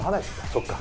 そっか！